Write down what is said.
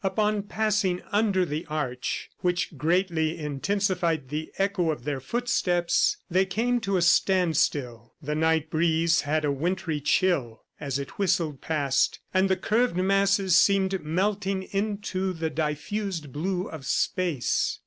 Upon passing under the Arch, which greatly intensified the echo of their footsteps, they came to a standstill. The night breeze had a wintry chill as it whistled past, and the curved masses seemed melting into the diffused blue of space.